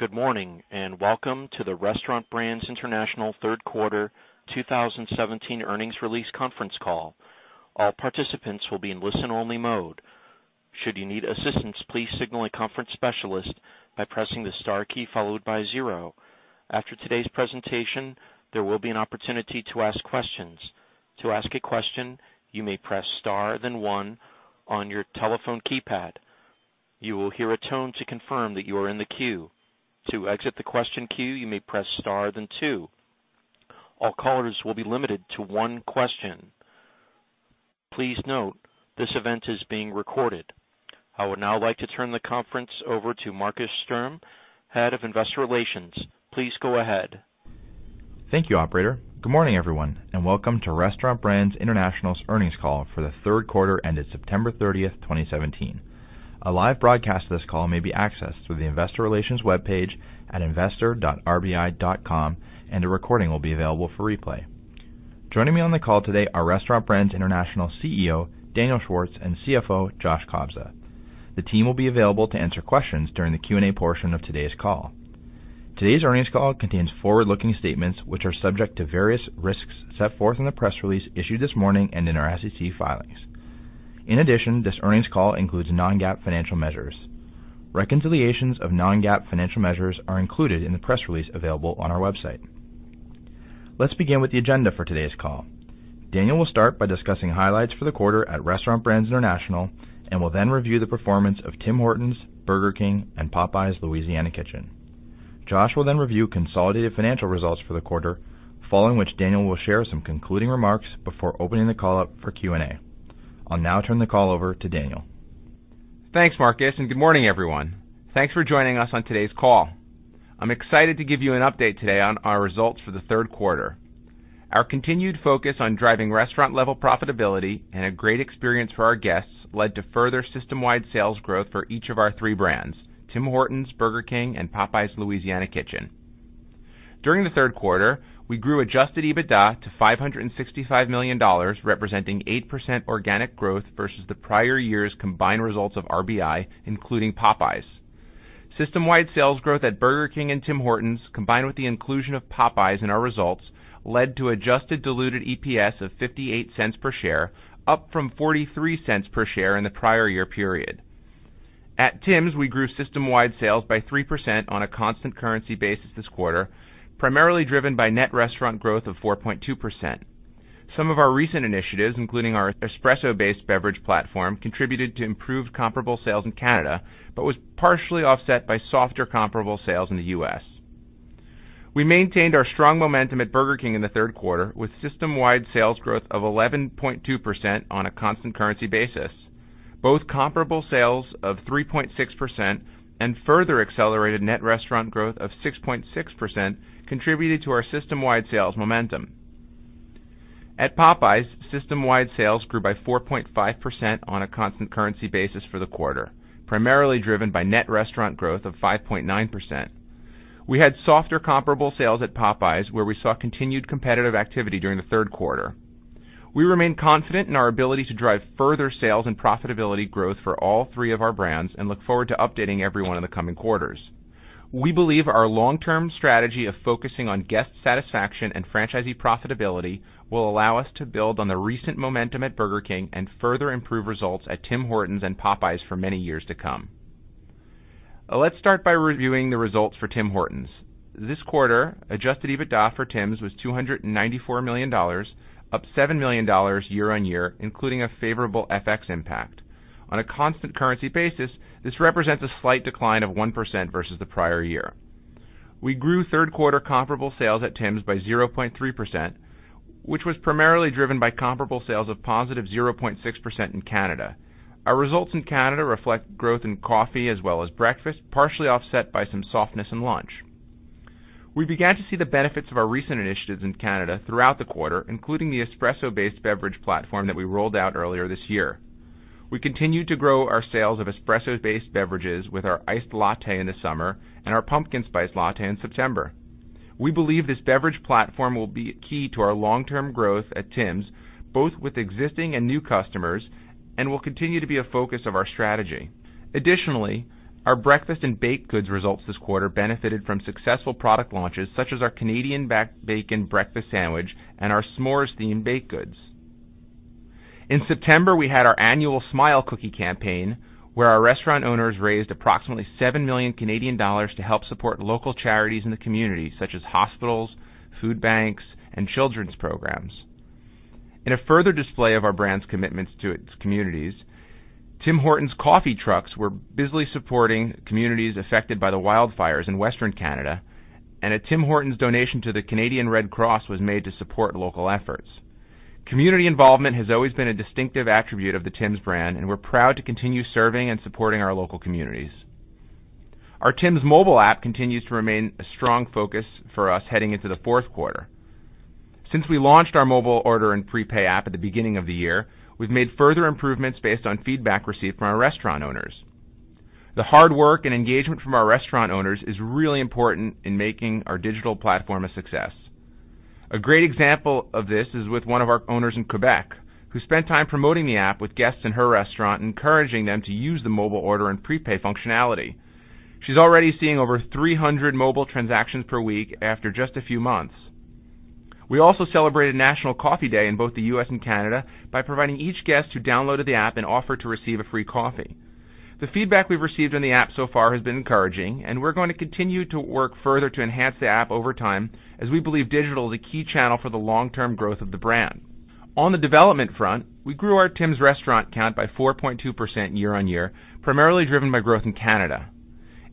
Good morning, and welcome to the Restaurant Brands International Q3 2017 earnings release conference call. All participants will be in listen-only mode. Should you need assistance, please signal a conference specialist by pressing the star followed by 0. After today's presentation, there will be an opportunity to ask questions. To ask a question, you may press star then 1 on your telephone keypad. You will hear a tone to confirm that you are in the queue. To exit the question queue, you may press star then 2. All callers will be limited to 1 question. Please note, this event is being recorded. I would now like to turn the conference over to Markus Sturm, Head of Investor Relations. Please go ahead. Thank you, operator. Good morning, everyone, and welcome to Restaurant Brands International's earnings call for the Q3 ended September 30th, 2017. A live broadcast of this call may be accessed through the investor relations webpage at investor.rbi.com, and a recording will be available for replay. Joining me on the call today are Restaurant Brands International CEO, Daniel Schwartz, and CFO, Josh Kobza. The team will be available to answer questions during the Q&A portion of today's call. Today's earnings call contains forward-looking statements, which are subject to various risks set forth in the press release issued this morning and in our SEC filings. In addition, this earnings call includes non-GAAP financial measures. Reconciliations of non-GAAP financial measures are included in the press release available on our website. Let's begin with the agenda for today's call. Daniel will start by discussing highlights for the quarter at Restaurant Brands International and will then review the performance of Tim Hortons, Burger King, and Popeyes Louisiana Kitchen. Josh will then review consolidated financial results for the quarter, following which Daniel will share some concluding remarks before opening the call up for Q&A. I'll now turn the call over to Daniel. Thanks, Markus, and good morning, everyone. Thanks for joining us on today's call. I'm excited to give you an update today on our results for the Q3. Our continued focus on driving restaurant-level profitability and a great experience for our guests led to further system-wide sales growth for each of our 3 brands, Tim Hortons, Burger King, and Popeyes Louisiana Kitchen. During the Q3, we grew adjusted EBITDA to $565 million, representing 8% organic growth versus the prior year's combined results of RBI, including Popeyes. System-wide sales growth at Burger King and Tim Hortons, combined with the inclusion of Popeyes in our results, led to adjusted diluted EPS of $0.58 per share, up from $0.43 per share in the prior year period. At Tim's, we grew system-wide sales by 3% on a constant currency basis this quarter, primarily driven by net restaurant growth of 4.2%. Some of our recent initiatives, including our espresso-based beverage platform, contributed to improved comparable sales in Canada, but was partially offset by softer comparable sales in the U.S. We maintained our strong momentum at Burger King in the third quarter, with system-wide sales growth of 11.2% on a constant currency basis. Both comparable sales of 3.6% and further accelerated net restaurant growth of 6.6% contributed to our system-wide sales momentum. At Popeyes, system-wide sales grew by 4.5% on a constant currency basis for the quarter, primarily driven by net restaurant growth of 5.9%. We had softer comparable sales at Popeyes, where we saw continued competitive activity during the third quarter. We remain confident in our ability to drive further sales and profitability growth for all three of our brands and look forward to updating everyone in the coming quarters. We believe our long-term strategy of focusing on guest satisfaction and franchisee profitability will allow us to build on the recent momentum at Burger King and further improve results at Tim Hortons and Popeyes for many years to come. Let's start by reviewing the results for Tim Hortons. This quarter, adjusted EBITDA for Tim's was 294 million dollars, up 7 million dollars year-over-year, including a favorable FX impact. On a constant currency basis, this represents a slight decline of 1% versus the prior year. We grew third-quarter comparable sales at Tim's by 0.3%, which was primarily driven by comparable sales of positive 0.6% in Canada. Our results in Canada reflect growth in coffee as well as breakfast, partially offset by some softness in lunch. We began to see the benefits of our recent initiatives in Canada throughout the quarter, including the espresso-based beverage platform that we rolled out earlier this year. We continued to grow our sales of espresso-based beverages with our iced latte in the summer and our pumpkin spice latte in September. We believe this beverage platform will be key to our long-term growth at Tim's, both with existing and new customers, and will continue to be a focus of our strategy. Additionally, our breakfast and baked goods results this quarter benefited from successful product launches, such as our Canadian Bacon Breakfast Sandwich and our s'mores-themed baked goods. In September, we had our annual Smile Cookie campaign, where our restaurant owners raised approximately 7 million Canadian dollars to help support local charities in the community, such as hospitals, food banks, and children's programs. In a further display of our brand's commitments to its communities, Tim Hortons coffee trucks were busily supporting communities affected by the wildfires in Western Canada. A Tim Hortons donation to The Canadian Red Cross Society was made to support local efforts. Community involvement has always been a distinctive attribute of the Tim's brand. We're proud to continue serving and supporting our local communities. Our Tim's mobile app continues to remain a strong focus for us heading into the fourth quarter. Since we launched our mobile order and prepay app at the beginning of the year, we've made further improvements based on feedback received from our restaurant owners. The hard work and engagement from our restaurant owners is really important in making our digital platform a success. A great example of this is with one of our owners in Quebec who spent time promoting the app with guests in her restaurant, encouraging them to use the mobile order and prepay functionality. She's already seeing over 300 mobile transactions per week after just a few months. We also celebrated National Coffee Day in both the U.S. and Canada by providing each guest who downloaded the app an offer to receive a free coffee. The feedback we've received on the app so far has been encouraging, and we're going to continue to work further to enhance the app over time as we believe digital is a key channel for the long-term growth of the brand. On the development front, we grew our Tim's restaurant count by 4.2% year-on-year, primarily driven by growth in Canada.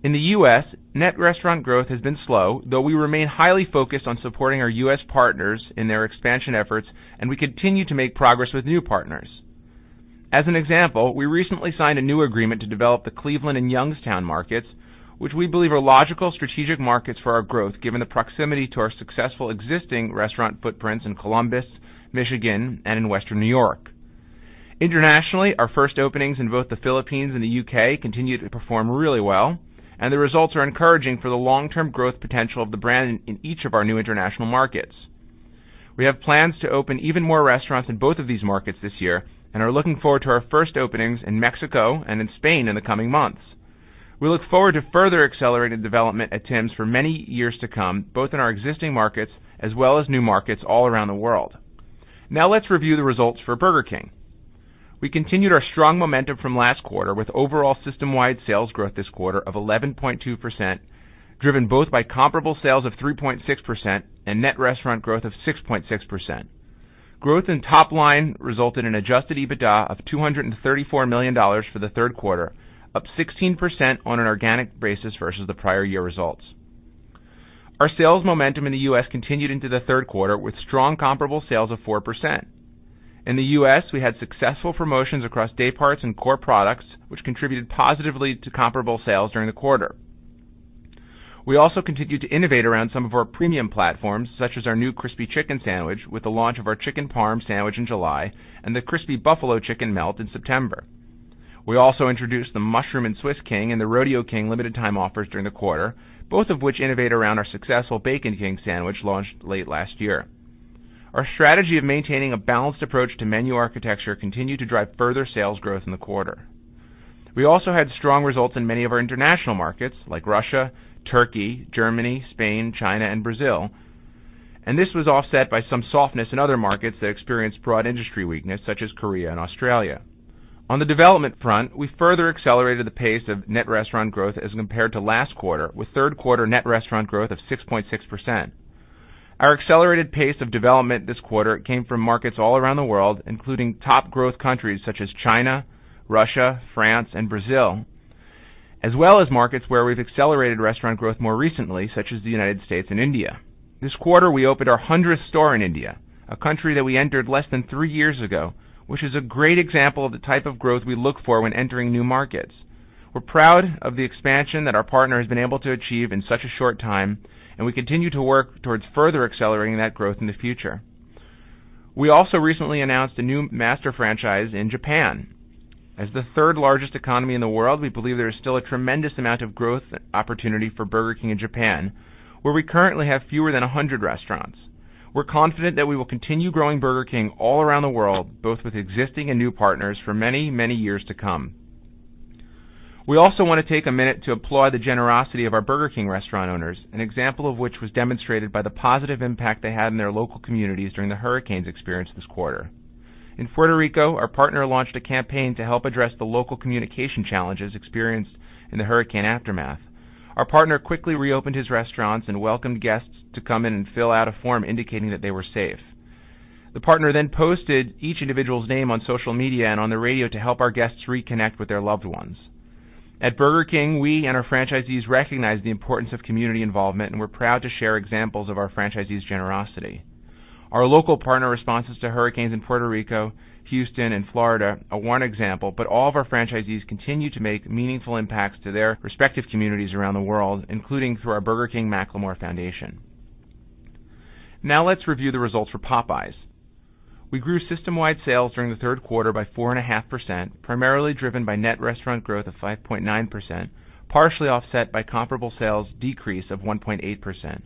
In the U.S., net restaurant growth has been slow, though we remain highly focused on supporting our U.S. partners in their expansion efforts, and we continue to make progress with new partners. As an example, we recently signed a new agreement to develop the Cleveland and Youngstown markets, which we believe are logical, strategic markets for our growth given the proximity to our successful existing restaurant footprints in Columbus, Michigan, and in Western New York. Internationally, our first openings in both the Philippines and the U.K. continue to perform really well, and the results are encouraging for the long-term growth potential of the brand in each of our new international markets. We have plans to open even more restaurants in both of these markets this year and are looking forward to our first openings in Mexico and in Spain in the coming months. We look forward to further accelerated development at Tim's for many years to come, both in our existing markets as well as new markets all around the world. Let's review the results for Burger King. We continued our strong momentum from last quarter with overall system-wide sales growth this quarter of 11.2%, driven both by comparable sales of 3.6% and net restaurant growth of 6.6%. Growth in top line resulted in adjusted EBITDA of $234 million for the third quarter, up 16% on an organic basis versus the prior year results. Our sales momentum in the U.S. continued into the third quarter with strong comparable sales of 4%. In the U.S., we had successful promotions across day parts and core products, which contributed positively to comparable sales during the quarter. We also continued to innovate around some of our premium platforms, such as our new Crispy Chicken Sandwich, with the launch of our Chicken Parm Sandwich in July and the Crispy Buffalo Chicken Melt in September. We also introduced the Mushroom and Swiss King and the Rodeo King limited time offers during the quarter, both of which innovate around our successful Bacon King sandwich launched late last year. Our strategy of maintaining a balanced approach to menu architecture continued to drive further sales growth in the quarter. We also had strong results in many of our international markets, like Russia, Turkey, Germany, Spain, China, and Brazil, and this was offset by some softness in other markets that experienced broad industry weakness, such as Korea and Australia. On the development front, we further accelerated the pace of net restaurant growth as compared to last quarter, with third quarter net restaurant growth of 6.6%. Our accelerated pace of development this quarter came from markets all around the world, including top growth countries such as China, Russia, France, and Brazil, as well as markets where we've accelerated restaurant growth more recently, such as the U.S. and India. This quarter, we opened our 100th store in India, a country that we entered less than three years ago, which is a great example of the type of growth we look for when entering new markets. We're proud of the expansion that our partner has been able to achieve in such a short time, and we continue to work towards further accelerating that growth in the future. We also recently announced a new master franchise in Japan. As the third-largest economy in the world, we believe there is still a tremendous amount of growth opportunity for Burger King in Japan, where we currently have fewer than 100 restaurants. We're confident that we will continue growing Burger King all around the world, both with existing and new partners for many, many years to come. We also want to take a minute to applaud the generosity of our Burger King restaurant owners, an example of which was demonstrated by the positive impact they had in their local communities during the hurricanes experienced this quarter. In Puerto Rico, our partner launched a campaign to help address the local communication challenges experienced in the hurricane aftermath. Our partner quickly reopened his restaurants and welcomed guests to come in and fill out a form indicating that they were safe. The partner posted each individual's name on social media and on the radio to help our guests reconnect with their loved ones. At Burger King, we and our franchisees recognize the importance of community involvement. We're proud to share examples of our franchisees' generosity. Our local partner responses to hurricanes in Puerto Rico, Houston, and Florida are one example, all of our franchisees continue to make meaningful impacts to their respective communities around the world, including through our Burger King McLamore Foundation. Let's review the results for Popeyes. We grew system-wide sales during the third quarter by 4.5%, primarily driven by net restaurant growth of 5.9%, partially offset by comparable sales decrease of 1.8%.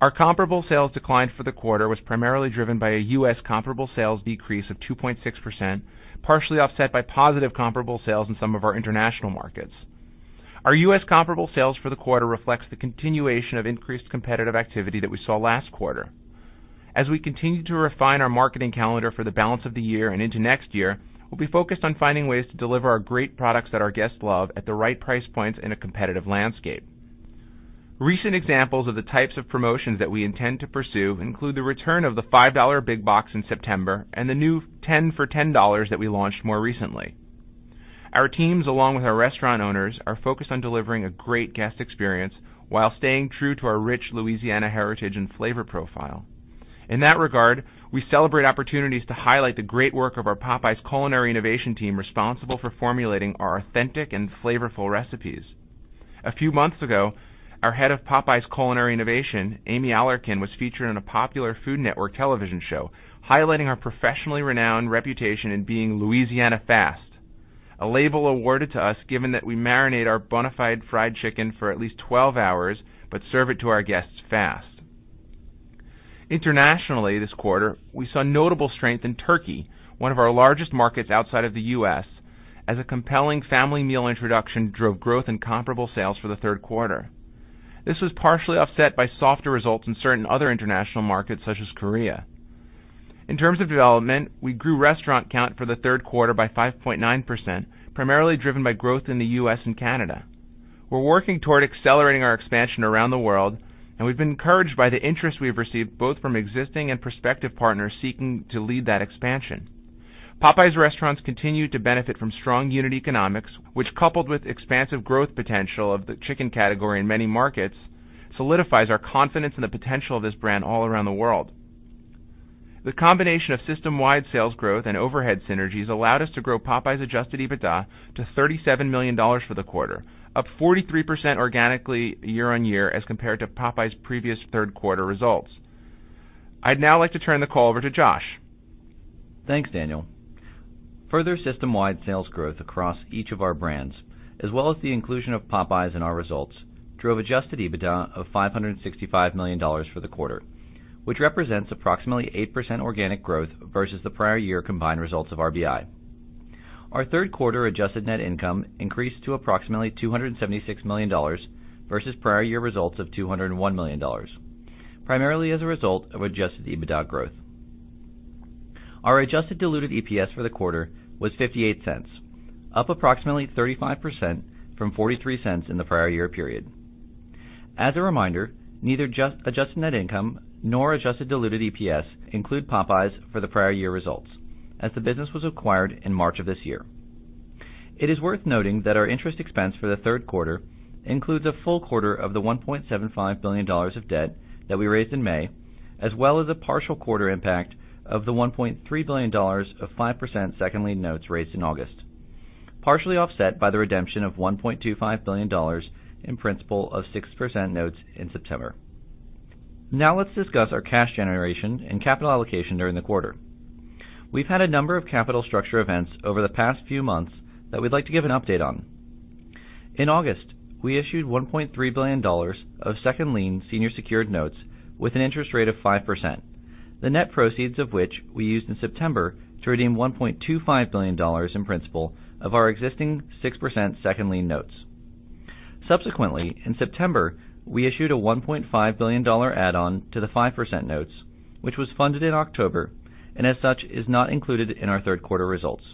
Our comparable sales decline for the quarter was primarily driven by a U.S. comparable sales decrease of 2.6%, partially offset by positive comparable sales in some of our international markets. Our U.S. comparable sales for the quarter reflects the continuation of increased competitive activity that we saw last quarter. We continue to refine our marketing calendar for the balance of the year and into next year, we'll be focused on finding ways to deliver our great products that our guests love at the right price points in a competitive landscape. Recent examples of the types of promotions that we intend to pursue include the return of the $5 Big Box in September and the new 10 for $10 that we launched more recently. Our teams, along with our restaurant owners, are focused on delivering a great guest experience while staying true to our rich Louisiana heritage and flavor profile. In that regard, we celebrate opportunities to highlight the great work of our Popeyes culinary innovation team responsible for formulating our authentic and flavorful recipes. A few months ago, our head of Popeyes culinary innovation, Amy Alarcon, was featured on a popular Food Network television show highlighting our professionally renowned reputation in being Louisiana Fast. A label awarded to us given that we marinate our Bonafide fried chicken for at least 12 hours but serve it to our guests fast. Internationally, this quarter, we saw notable strength in Turkey, one of our largest markets outside of the U.S., as a compelling family meal introduction drove growth in comparable sales for the third quarter. This was partially offset by softer results in certain other international markets, such as Korea. In terms of development, we grew restaurant count for the third quarter by 5.9%, primarily driven by growth in the U.S. and Canada. We're working toward accelerating our expansion around the world, and we've been encouraged by the interest we've received, both from existing and prospective partners seeking to lead that expansion. Popeyes restaurants continue to benefit from strong unit economics, which coupled with expansive growth potential of the chicken category in many markets, solidifies our confidence in the potential of this brand all around the world. The combination of system-wide sales growth and overhead synergies allowed us to grow Popeyes adjusted EBITDA to $37 million for the quarter, up 43% organically year-on-year as compared to Popeyes' previous third quarter results. I'd now like to turn the call over to Josh. Thanks, Daniel. Further system-wide sales growth across each of our brands, as well as the inclusion of Popeyes in our results, drove adjusted EBITDA of $565 million for the quarter, which represents approximately 8% organic growth versus the prior year combined results of RBI. Our third quarter adjusted net income increased to approximately $276 million versus prior year results of $201 million, primarily as a result of adjusted EBITDA growth. Our adjusted diluted EPS for the quarter was $0.58, up approximately 35% from $0.43 in the prior year period. As a reminder, neither adjusted net income nor adjusted diluted EPS include Popeyes for the prior year results, as the business was acquired in March of this year. It is worth noting that our interest expense for the third quarter includes a full quarter of the $1.75 billion of debt that we raised in May, as well as a partial quarter impact of the $1.3 billion of 5% second lien notes raised in August, partially offset by the redemption of $1.25 billion in principal of 6% notes in September. Let's discuss our cash generation and capital allocation during the quarter. We've had a number of capital structure events over the past few months that we'd like to give an update on. In August, we issued $1.3 billion of second lien senior secured notes with an interest rate of 5%, the net proceeds of which we used in September to redeem $1.25 billion in principal of our existing 6% second lien notes. Subsequently, in September, we issued a $1.5 billion add-on to the 5% notes, which was funded in October, and as such, is not included in our third quarter results.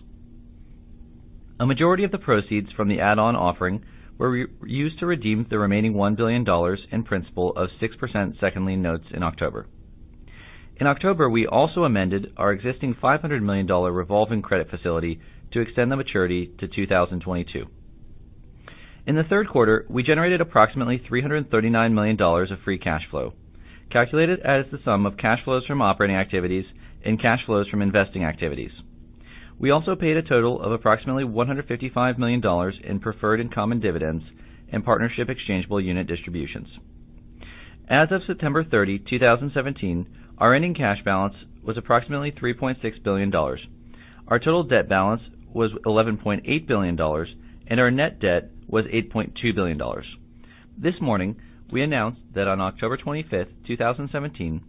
A majority of the proceeds from the add-on offering were used to redeem the remaining $1 billion in principal of 6% second lien notes in October. In October, we also amended our existing $500 million revolving credit facility to extend the maturity to 2022. In the third quarter, we generated approximately $339 million of free cash flow, calculated as the sum of cash flows from operating activities and cash flows from investing activities. We also paid a total of approximately $155 million in preferred and common dividends and partnership exchangeable unit distributions. As of September 30, 2017, our ending cash balance was approximately $3.6 billion. Our total debt balance was $11.8 billion, and our net debt was $8.2 billion. This morning, we announced that on October 25th, 2017,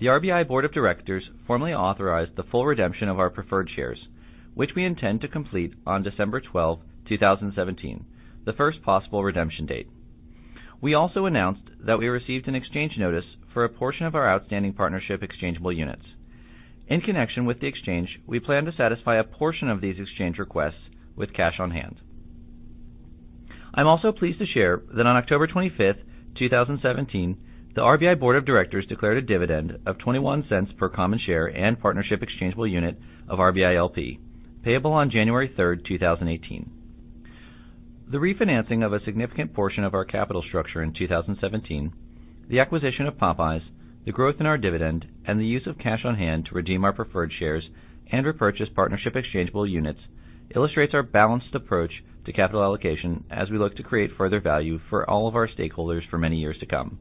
the RBI Board of Directors formally authorized the full redemption of our preferred shares, which we intend to complete on December 12th, 2017, the first possible redemption date. We also announced that we received an exchange notice for a portion of our outstanding partnership exchangeable units. In connection with the exchange, we plan to satisfy a portion of these exchange requests with cash on hand. I'm also pleased to share that on October 25th, 2017, the RBI Board of Directors declared a dividend of $0.21 per common share and partnership exchangeable unit of RBILP, payable on January 3rd, 2018. The refinancing of a significant portion of our capital structure in 2017, the acquisition of Popeyes, the growth in our dividend, and the use of cash on hand to redeem our preferred shares and repurchase partnership exchangeable units illustrates our balanced approach to capital allocation as we look to create further value for all of our stakeholders for many years to come.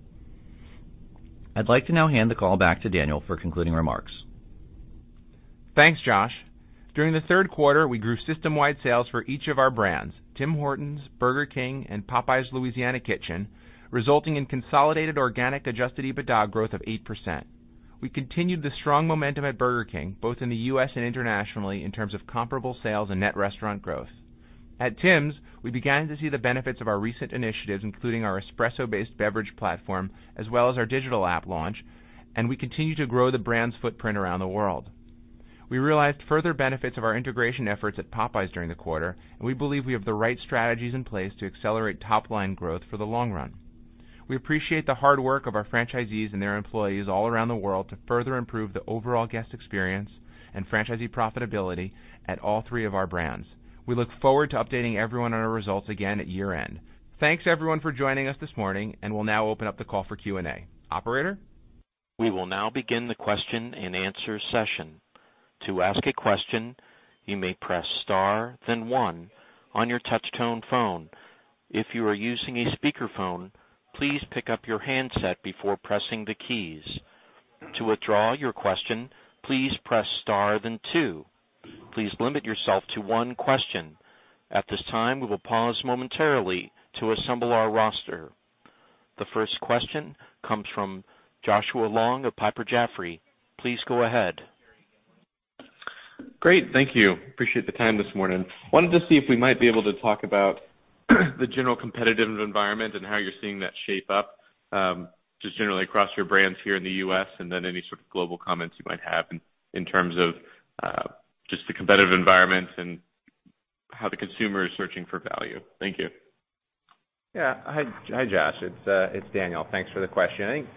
I'd like to now hand the call back to Daniel for concluding remarks. Thanks, Josh. During the third quarter, we grew system-wide sales for each of our brands, Tim Hortons, Burger King, and Popeyes Louisiana Kitchen, resulting in consolidated organic adjusted EBITDA growth of 8%. We continued the strong momentum at Burger King, both in the U.S. and internationally, in terms of comparable sales and net restaurant growth. At Tims, we began to see the benefits of our recent initiatives, including our espresso-based beverage platform, as well as our digital app launch, and we continue to grow the brand's footprint around the world. We realized further benefits of our integration efforts at Popeyes during the quarter, and we believe we have the right strategies in place to accelerate top-line growth for the long run. We appreciate the hard work of our franchisees and their employees all around the world to further improve the overall guest experience and franchisee profitability at all three of our brands. We look forward to updating everyone on our results again at year-end. Thanks everyone for joining us this morning. We'll now open up the call for Q&A. Operator? We will now begin the question and answer session. To ask a question, you may press star then one on your touch tone phone. If you are using a speakerphone, please pick up your handset before pressing the keys. To withdraw your question, please press star then two. Please limit yourself to one question. At this time, we will pause momentarily to assemble our roster. The first question comes from Joshua Long of Piper Jaffray. Please go ahead. Great. Thank you. Appreciate the time this morning. Wanted to see if we might be able to talk about the general competitive environment and how you're seeing that shape up just generally across your brands here in the U.S. Any sort of global comments you might have in terms of just the competitive environments and how the consumer is searching for value. Thank you. Yeah. Hi, Josh. It's Daniel. Thanks for the question. I think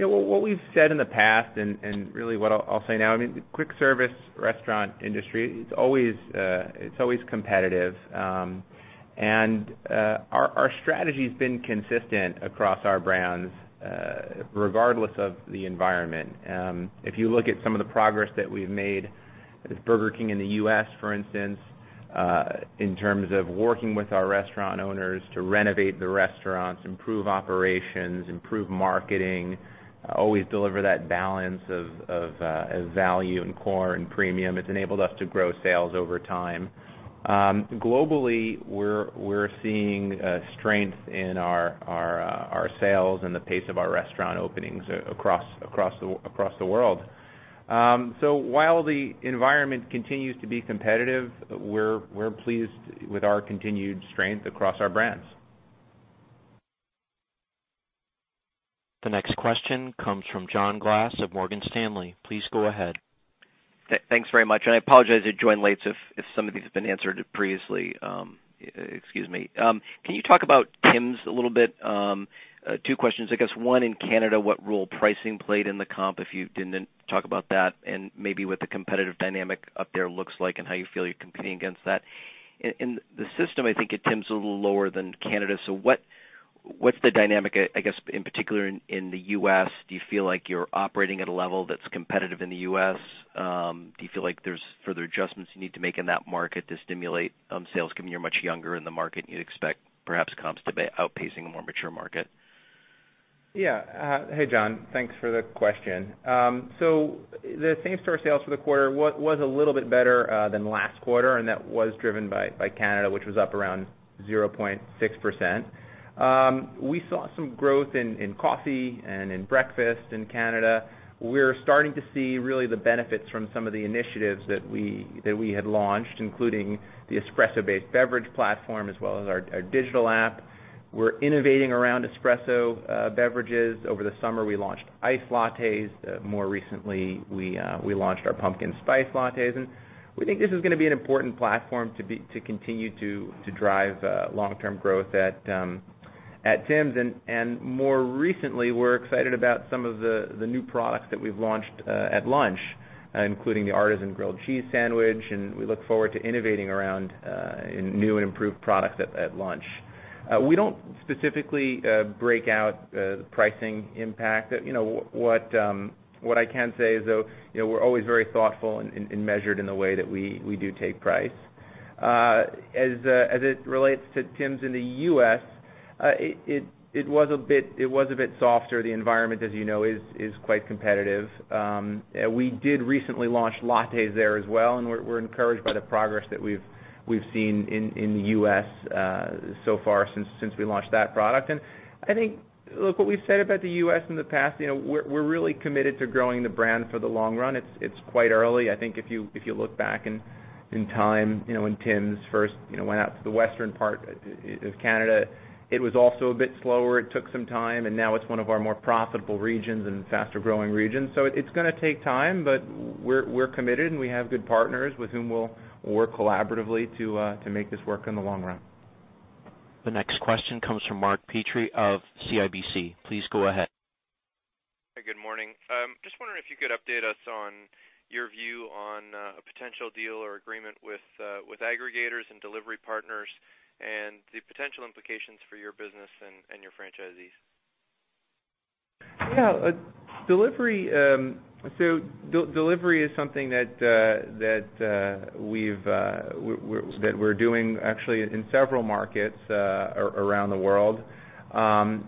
what we've said in the past and really what I'll say now, the quick service restaurant industry, it's always competitive. Our strategy's been consistent across our brands regardless of the environment. If you look at some of the progress that we've made at Burger King in the U.S., for instance, in terms of working with our restaurant owners to renovate the restaurants, improve operations, improve marketing, always deliver that balance of value and core and premium, it's enabled us to grow sales over time. Globally, we're seeing a strength in our sales and the pace of our restaurant openings across the world. While the environment continues to be competitive, we're pleased with our continued strength across our brands. The next question comes from John Glass of Morgan Stanley. Please go ahead. Thanks very much. I apologize. I joined late, if some of these have been answered previously, excuse me. Can you talk about Tim's a little bit? Two questions, I guess. One, in Canada, what role pricing played in the comp, if you can then talk about that and maybe what the competitive dynamic up there looks like and how you feel you're competing against that. In the system, I think Tim's a little lower than Canada. What's the dynamic, I guess, in particular in the U.S.? Do you feel like you're operating at a level that's competitive in the U.S.? Do you feel like there's further adjustments you need to make in that market to stimulate sales, given you're much younger in the market and you'd expect perhaps comps to be outpacing a more mature market? Hey, John. Thanks for the question. The same-store sales for the quarter was a little bit better than last quarter. That was driven by Canada, which was up around 0.6%. We saw some growth in coffee and in breakfast in Canada. We're starting to see really the benefits from some of the initiatives that we had launched, including the espresso-based beverage platform as well as our digital app. We're innovating around espresso beverages. Over the summer, we launched iced lattes. More recently, we launched our pumpkin spice lattes, and we think this is going to be an important platform to continue to drive long-term growth at Tim's. More recently, we're excited about some of the new products that we've launched at lunch, including the Artisan Grilled Cheese Sandwich, and we look forward to innovating around new and improved product at lunch. We don't specifically break out the pricing impact. What I can say is, though, we're always very thoughtful and measured in the way that we do take price. As it relates to Tim's in the U.S., it was a bit softer. The environment, as you know, is quite competitive. We did recently launch lattes there as well, and we're encouraged by the progress that we've seen in the U.S. so far since we launched that product. I think, look, what we've said about the U.S. in the past, we're really committed to growing the brand for the long run. It's quite early. I think if you look back in time, when Tim's first went out to the western part of Canada, it was also a bit slower. It took some time, and now it's one of our more profitable regions and faster-growing regions. It's going to take time, but we're committed, and we have good partners with whom we'll work collaboratively to make this work in the long run. The next question comes from Mark Petrie of CIBC. Please go ahead. Hey, good morning. Just wondering if you could update us on your view on a potential deal or agreement with aggregators and delivery partners and the potential implications for your business and your franchisees. Yeah. Delivery is something that we're doing actually in several markets around the world. In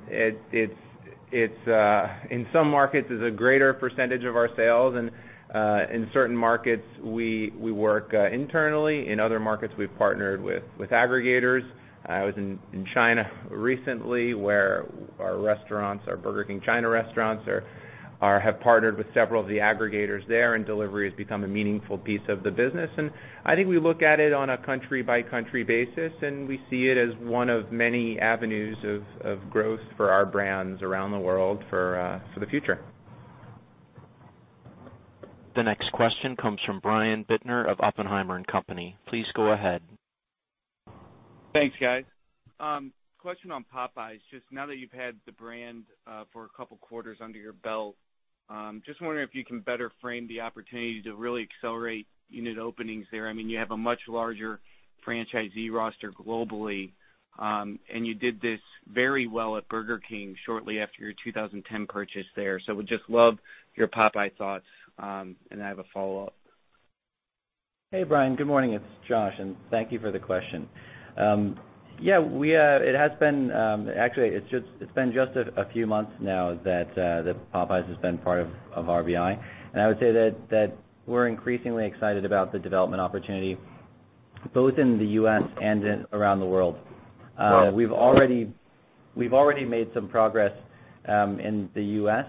some markets, it's a greater percentage of our sales, and in certain markets, we work internally. In other markets, we've partnered with aggregators. I was in China recently where our restaurants, our Burger King China restaurants, have partnered with several of the aggregators there, and delivery has become a meaningful piece of the business. I think we look at it on a country-by-country basis, and we see it as one of many avenues of growth for our brands around the world for the future. The next question comes from Brian Bittner of Oppenheimer and Company. Please go ahead. Thanks, guys. Question on Popeyes. Just now that you've had the brand for a couple quarters under your belt, just wondering if you can better frame the opportunity to really accelerate unit openings there. You have a much larger franchisee roster globally, and you did this very well at Burger King shortly after your 2010 purchase there. Would just love your Popeyes thoughts, and I have a follow-up. Hey, Brian. Good morning. It's Josh, and thank you for the question. Actually, it's been just a few months now that Popeyes has been part of RBI, and I would say that we're increasingly excited about the development opportunity both in the U.S. and around the world. We've already made some progress in the U.S.,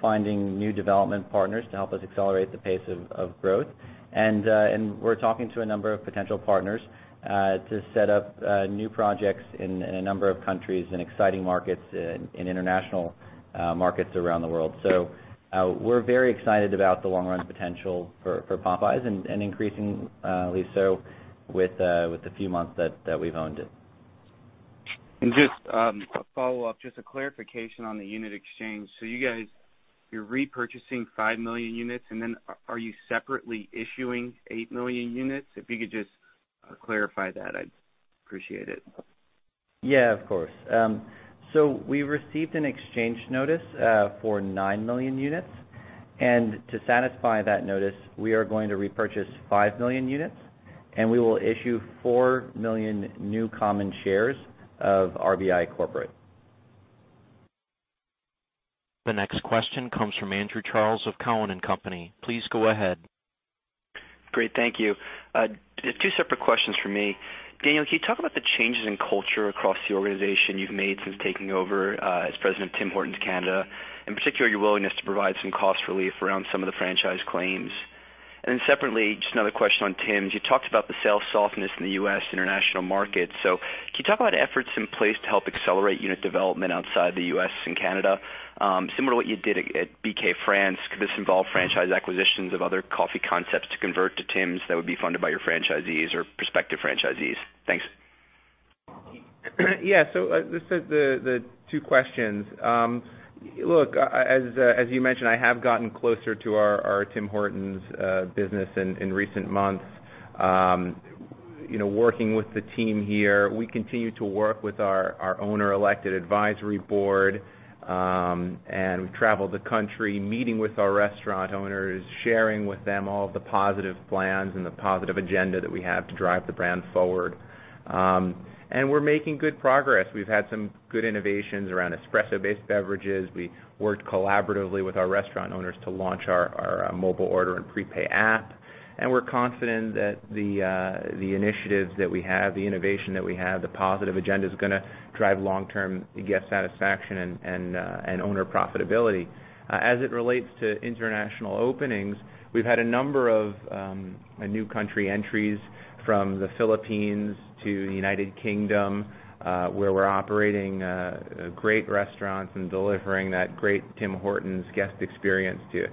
finding new development partners to help us accelerate the pace of growth. We're talking to a number of potential partners to set up new projects in a number of countries and exciting markets in international markets around the world. We're very excited about the long-run potential for Popeyes and increasingly so with the few months that we've owned it. Just a follow-up, just a clarification on the unit exchange. You guys, you're repurchasing 5 million units, and then are you separately issuing 8 million units? If you could just clarify that, I'd appreciate it. Of course. We received an exchange notice for 9 million units, and to satisfy that notice, we are going to repurchase 5 million units, and we will issue 4 million new common shares of RBI Corporate. The next question comes from Andrew Charles of Cowen and Company. Please go ahead. Great. Thank you. Just two separate questions for me. Daniel, can you talk about the changes in culture across the organization you've made since taking over as president of Tim Hortons Canada, in particular, your willingness to provide some cost relief around some of the franchise claims? Separately, just another question on Tims. You talked about the sales softness in the U.S. and international markets, can you talk about efforts in place to help accelerate unit development outside the U.S. and Canada? Similar to what you did at BK France, could this involve franchise acquisitions of other coffee concepts to convert to Tims that would be funded by your franchisees or prospective franchisees? Thanks. Yeah, the two questions. Look, as you mentioned, I have gotten closer to our Tim Hortons business in recent months working with the team here. We continue to work with our owner-elected advisory board, and we've traveled the country, meeting with our restaurant owners, sharing with them all of the positive plans and the positive agenda that we have to drive the brand forward. We're making good progress. We've had some good innovations around espresso-based beverages. We worked collaboratively with our restaurant owners to launch our mobile order and prepay app, we're confident that the initiatives that we have, the innovation that we have, the positive agenda is going to drive long-term guest satisfaction and owner profitability. As it relates to international openings, we've had a number of new country entries from the Philippines to the U.K., where we're operating great restaurants and delivering that great Tim Hortons guest experience to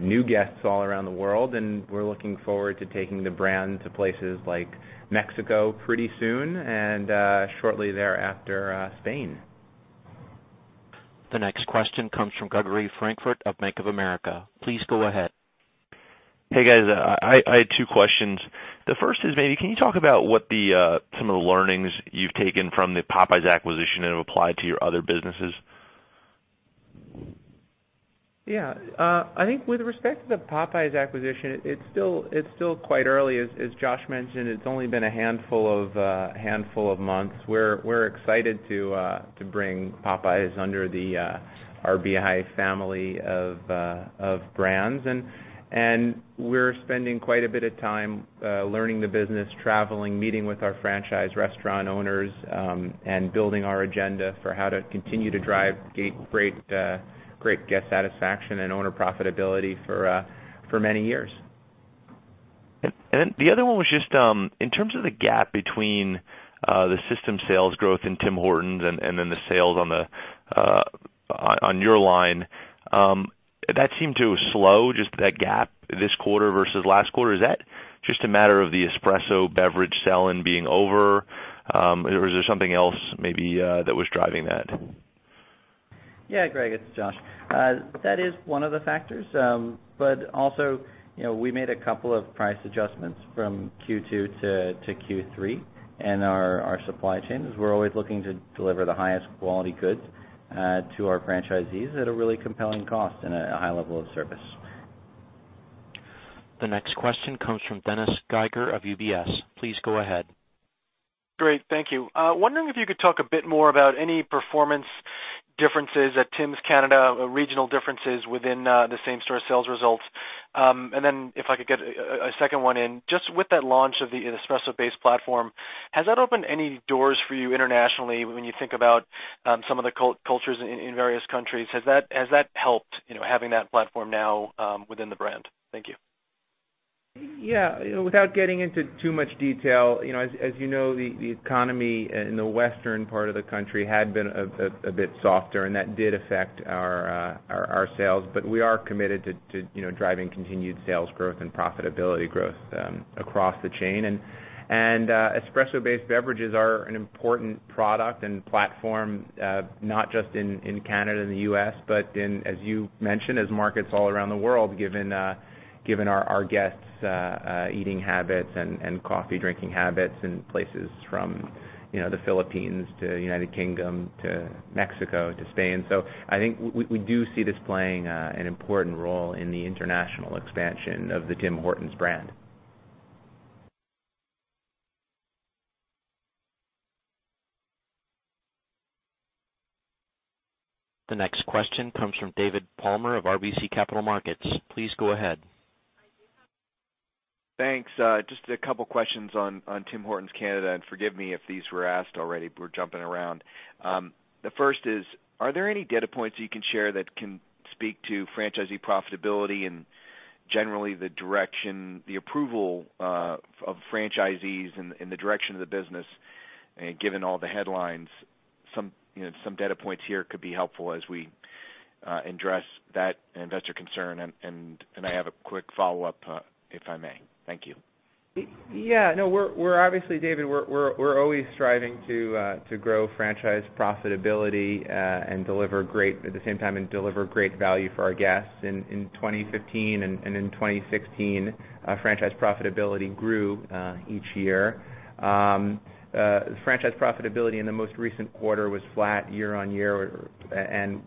new guests all around the world. We're looking forward to taking the brand to places like Mexico pretty soon, and shortly thereafter, Spain. The next question comes from Gregory Francfort of Bank of America. Please go ahead. Hey, guys. I had two questions. The first is maybe can you talk about some of the learnings you've taken from the Popeyes acquisition and have applied to your other businesses? Yeah. I think with respect to the Popeyes acquisition, it's still quite early. As Josh mentioned, it's only been a handful of months. We're excited to bring Popeyes under the RBI family of brands. We're spending quite a bit of time learning the business, traveling, meeting with our franchise restaurant owners, and building our agenda for how to continue to drive great guest satisfaction and owner profitability for many years. The other one was just in terms of the gap between the system sales growth in Tim Hortons and the sales on your line, that seemed to slow, just that gap this quarter versus last quarter. Is that just a matter of the espresso beverage sell-in being over, or is there something else maybe that was driving that? Yeah, Gregory, it's Josh. That is one of the factors, but also, we made a couple of price adjustments from Q2 to Q3 in our supply chains, as we're always looking to deliver the highest quality goods to our franchisees at a really compelling cost and a high level of service. The next question comes from Dennis Geiger of UBS. Please go ahead. Great. Thank you. Wondering if you could talk a bit more about any performance differences at Tims Canada, regional differences within the same-store sales results. If I could get a second one in, just with that launch of the espresso-based platform, has that opened any doors for you internationally when you think about some of the cultures in various countries? Has that helped, having that platform now within the brand? Thank you. Yeah. Without getting into too much detail, as you know, the economy in the western part of the country had been a bit softer, and that did affect our sales. We are committed to driving continued sales growth and profitability growth across the chain. Espresso-based beverages are an important product and platform, not just in Canada and the U.S., but in, as you mentioned, as markets all around the world, given our guests' eating habits and coffee-drinking habits in places from the Philippines to United Kingdom to Mexico to Spain. I think we do see this playing an important role in the international expansion of the Tim Hortons brand. The next question comes from David Palmer of RBC Capital Markets. Please go ahead. Thanks. Just a couple questions on Tim Hortons Canada. Forgive me if these were asked already. We're jumping around. The first is, are there any data points you can share that can speak to franchisee profitability and generally the direction, the approval of franchisees and the direction of the business, given all the headlines? Some data points here could be helpful as we address that investor concern. I have a quick follow-up, if I may. Thank you. Yeah. No. Obviously, David, we're always striving to grow franchise profitability and deliver great value at the same time for our guests. In 2015 and in 2016, franchise profitability grew each year. Franchise profitability in the most recent quarter was flat year-over-year.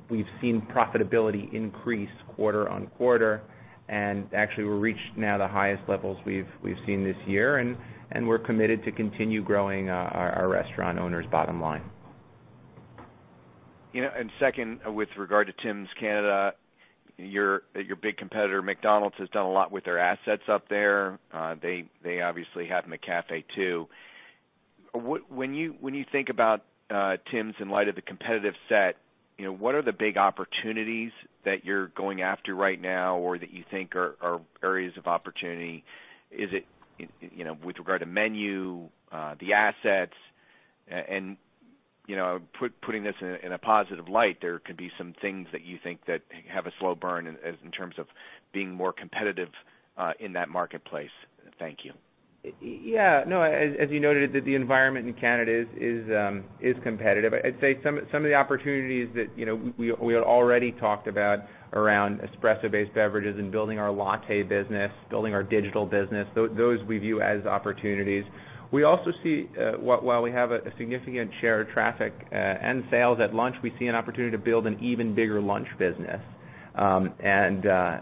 We've seen profitability increase quarter-over-quarter. Actually, we reached now the highest levels we've seen this year. We're committed to continue growing our restaurant owners' bottom line. Second, with regard to Tims Canada, your big competitor, McDonald's, has done a lot with their assets up there. They obviously have McCafé too. When you think about Tims in light of the competitive set, what are the big opportunities that you're going after right now or that you think are areas of opportunity? Is it with regard to menu, the assets and, putting this in a positive light, there could be some things that you think that have a slow burn in terms of being more competitive in that marketplace. Thank you. Yeah. No, as you noted, the environment in Canada is competitive. I'd say some of the opportunities that we had already talked about around espresso-based beverages and building our latte business, building our digital business, those we view as opportunities.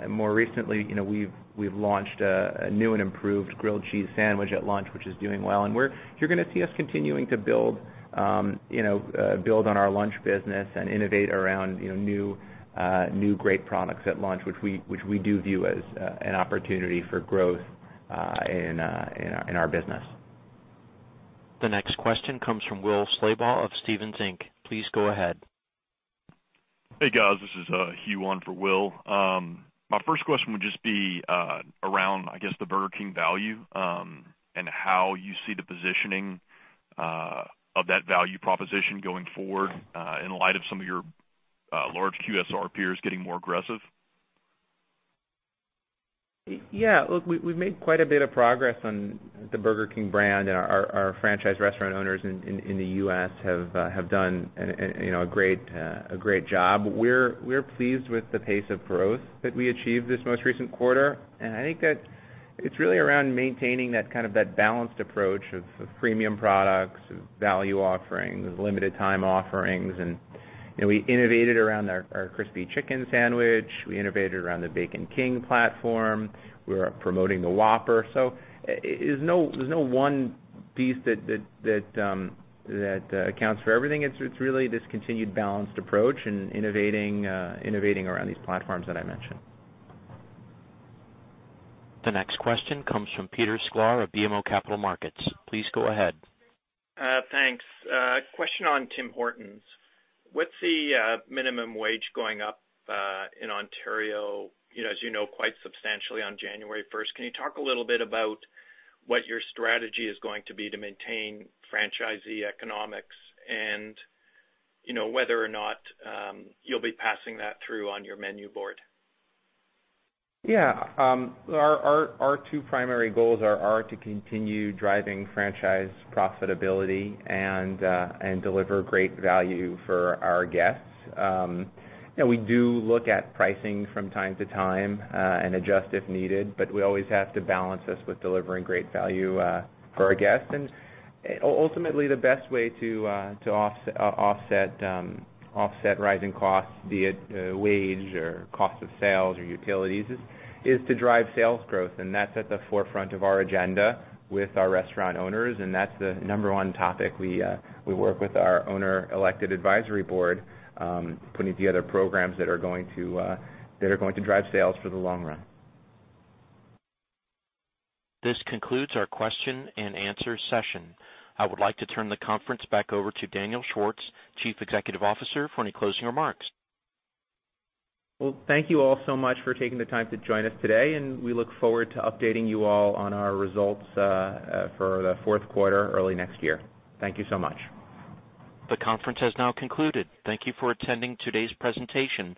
More recently, we've launched a new and improved grilled cheese sandwich at lunch, which is doing well, and you're going to see us continuing to build on our lunch business and innovate around new great products at launch, which we do view as an opportunity for growth in our business. The next question comes from Will Slabaugh of Stephens Inc. Please go ahead. Hey, guys. This is Hugh on for Will. My first question would just be around, I guess, the Burger King value and how you see the positioning of that value proposition going forward in light of some of your large QSR peers getting more aggressive. Yeah. Look, we've made quite a bit of progress on the Burger King brand. Our franchise restaurant owners in the U.S. have done a great job. We're pleased with the pace of growth that we achieved this most recent quarter. I think that it's really around maintaining that kind of balanced approach of premium products, of value offerings, of limited time offerings. We innovated around our Crispy Chicken Sandwich. We innovated around the Bacon King platform. We're promoting the Whopper. There's no one piece that accounts for everything. It's really this continued balanced approach and innovating around these platforms that I mentioned. The next question comes from Peter Sklar of BMO Capital Markets. Please go ahead. Thanks. A question on Tim Hortons. With the minimum wage going up in Ontario, as you know, quite substantially on January 1st, can you talk a little bit about what your strategy is going to be to maintain franchisee economics and whether or not you'll be passing that through on your menu board? Yeah. Our two primary goals are to continue driving franchise profitability and deliver great value for our guests. We do look at pricing from time to time and adjust if needed, but we always have to balance this with delivering great value for our guests. Ultimately, the best way to offset rising costs, be it wage or cost of sales or utilities, is to drive sales growth. That's at the forefront of our agenda with our restaurant owners. That's the number one topic we work with our owner elected advisory board, putting together programs that are going to drive sales for the long run. This concludes our question and answer session. I would like to turn the conference back over to Daniel Schwartz, Chief Executive Officer, for any closing remarks. Well, thank you all so much for taking the time to join us today, and we look forward to updating you all on our results for the fourth quarter early next year. Thank you so much. The conference has now concluded. Thank you for attending today's presentation.